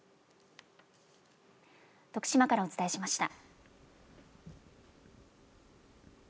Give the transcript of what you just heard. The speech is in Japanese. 徳島からお伝えしました。